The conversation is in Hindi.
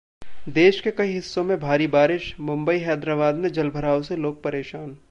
देश के कई हिस्सों में भारी बारिश, मुंबई-हैदराबाद में जलभराव से लोग परेशान